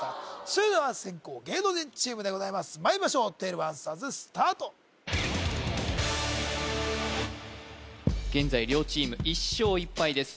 それでは先攻芸能人チームでございますまいりましょう１２アンサーズスタート現在両チーム１勝１敗です